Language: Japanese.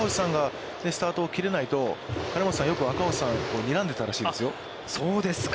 赤星さんがスタートを切れないと、金本さん、よく赤星さんをにらんでたらしいですよ。